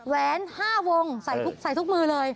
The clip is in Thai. แหวน๕วงใส่ทุกใส่ทุกมือเลย